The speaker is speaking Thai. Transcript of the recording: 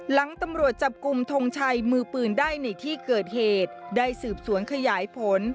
หลังตำรวจจับกลุ่มทงชัยมือปืนได้ในที่เกิดเหตุได้สืบสวนขยายผล